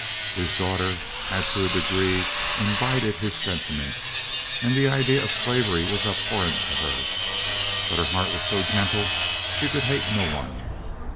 His daughter had to a degree imbibed his sentiments, and the idea of slavery was abhorrent to her; but her heart was so gentle, she could hate no one.